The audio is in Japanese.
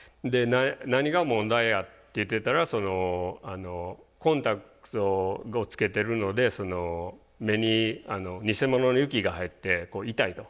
何が問題やって言ってたらコンタクトをつけてるので目に偽物の雪が入って痛いと。